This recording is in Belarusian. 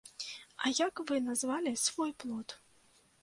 А як вы назвалі свой плод?